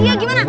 oke gini deh